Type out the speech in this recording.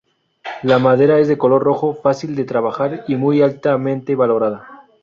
La madera es de color rojo, fácil de trabajar y muy altamente valorada.